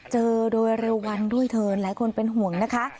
เจอโดยเร็ววันด้วยเถินหลายคนเป็นห่วงนะคะ